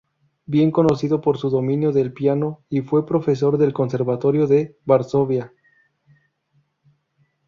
Bien conocido por su dominio del piano y fue profesor del Conservatorio de Varsovia.